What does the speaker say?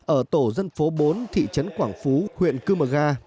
ở tổ dân phố bốn thị trấn quảng phú huyện cư mờ ga